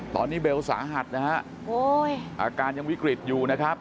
ตอนนี้เบลสาหัสนะฮะโอ้ยอาการยังวิกฤตอยู่นะครับ